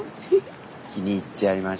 気に入っちゃいましたか。